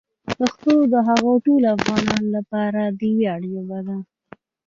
پښتو د هغو ټولو افغانانو لپاره د ویاړ ژبه ده.